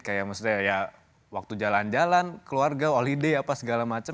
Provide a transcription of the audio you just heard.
kayak maksudnya ya waktu jalan jalan keluarga waliday apa segala macem